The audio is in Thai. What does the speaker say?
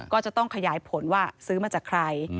ก็จะต้องขยายผลว่าซื้อมาจากใคร